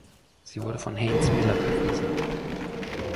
Sie wurde von Haynes Miller bewiesen.